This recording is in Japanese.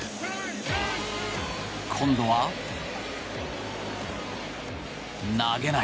今度は投げない。